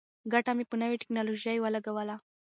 ګټه مې په نوې ټیکنالوژۍ ولګوله.